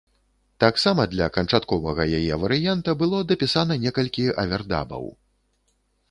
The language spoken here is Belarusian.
Таксама для канчатковага яе варыянта было дапісана некалькі авердабаў.